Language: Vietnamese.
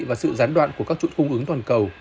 và sự gián đoạn của các chuỗi cung ứng toàn cầu